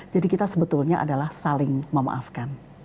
jadi kita sebetulnya adalah saling memaafkan